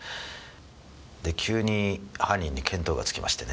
で急に犯人に見当がつきましてね。